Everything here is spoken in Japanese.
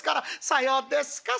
「さようですか？